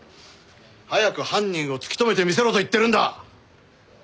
早く犯人を突き止めてみせろと言ってるんだ。